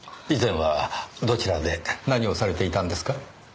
以前はどちらで何をされていたんですか？